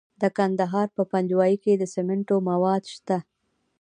د کندهار په پنجوايي کې د سمنټو مواد شته.